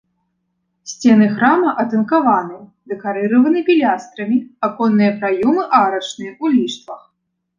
Сцены храма атынкаваны, дэкарыраваны пілястрамі, аконныя праёмы арачныя ў ліштвах.